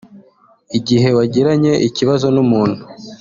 Igihe wagiranye ikibazo n’umuntu